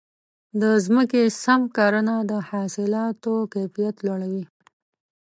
د ځمکې سم کرنه د حاصلاتو کیفیت لوړوي.